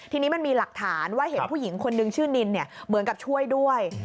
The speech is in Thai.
ทีนี้มันมีหลักฐานว่าเห็นผู้หญิงคนนึงชื่อนินเหมือนกับช่วยด้วย